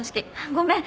ごめん。